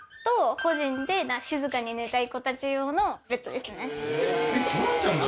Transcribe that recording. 個人で静かに寝たい子たち用のベッドですね。